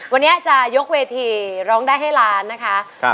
วันนี้จะยกเวทีร้องได้ให้ล้านนะคะ